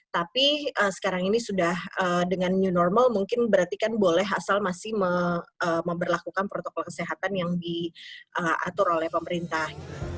tapi sekarang ini sudah dengan new normal mungkin berarti kan boleh asal masih memperlakukan protokol kesehatan yang diatur oleh pemerintah